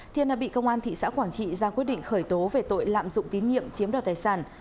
thiên đã bị công an thị xã quảng trị ra quyết định khởi tố về tội lạm dụng tín nhiệm chiếm đoạt tài sản